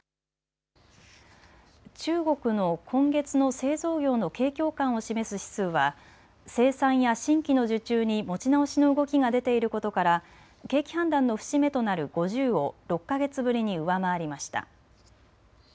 中国の今月の製造業の景況感を示す指数は生産や新規の受注に持ち直しの動きが出ていることから景気判断の節目となる５０を６か月ぶりに上回りました。